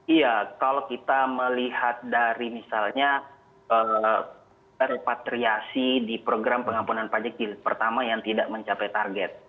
iya kalau kita melihat dari misalnya repatriasi di program pengampunan pajak jilid pertama yang tidak mencapai target